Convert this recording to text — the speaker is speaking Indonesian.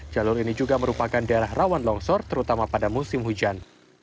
jalur ini juga merupakan daerah rawan longsor terutama pada musim hujan